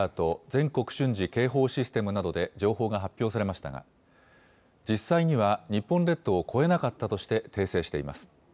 ・全国瞬時警報システムなどで情報が発表されましたが、実際には日本列島を越えなかったとして、訂正しています。